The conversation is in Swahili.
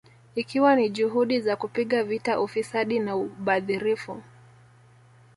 Ikiwa ni juhudi za kupiga vita ufisadi na ubadhirifu